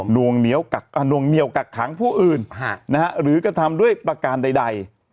วงเหนียวกักขังผู้อื่นหรือกระทำด้วยประการใด